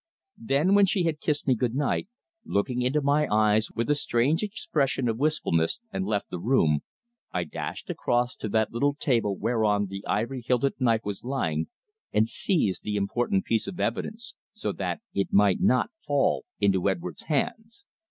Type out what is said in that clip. Then, when she had kissed me good night, looking into my eyes with a strange expression of wistfulness, and left the room, I dashed across to that little table whereon the ivory hilted knife was lying and seized the important piece of evidence, so that it might not fall into Edwards' hands.